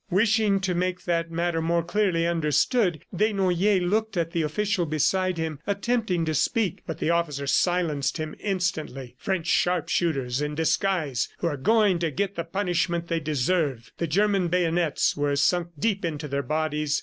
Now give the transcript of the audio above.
Wishing to make that matter more clearly understood, Desnoyers looked at the official beside him, attempting to speak; but the officer silenced him instantly: "French sharpshooters in disguise who are going to get the punishment they deserve." The German bayonets were sunk deep into their bodies.